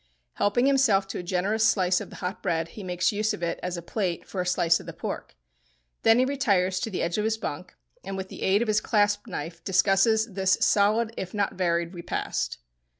Helping himself to a generous slice of the hot bread, he makes use of it as a plate for a slice of the pork. Then he retires to the edge of his bunk, and with the aid of his clasp knife discusses this solid if not varied repast.